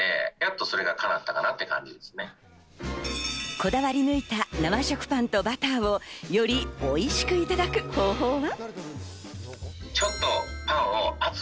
こだわり抜いた生食パンとバターをよりおいしくいただく方法は？